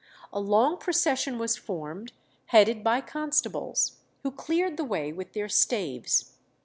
A long procession was formed, headed by constables, who cleared the way with their staves.